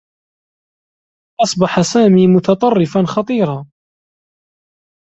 أصبح سامي متطرّفا خطيرا.